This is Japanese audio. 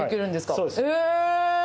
そうです。